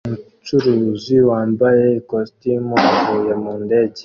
Umucuruzi wambaye ikositimu avuye mu ndege